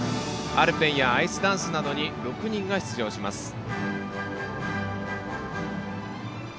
アルペンやアイスダンスなどに６人が出場します。